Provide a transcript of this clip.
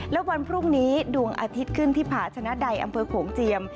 และวันพรุ่งนี้ดวงอาทิตย์ขึ้นที่ผาชนะใดอำเภอโขงเจียม